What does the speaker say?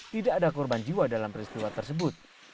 tidak ada korban jiwa dalam peristiwa tersebut